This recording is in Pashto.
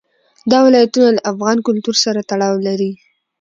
دا ولایتونه له افغان کلتور سره تړاو لري.